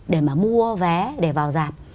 để mà mua vé để vào giảm